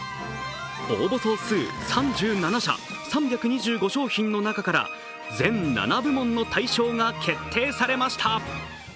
応募総数３７社３２５商品の中から全７部門の大賞が決定されました。